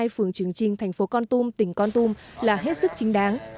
phường trường trinh thành phố con tum tỉnh con tum là hết sức chính đáng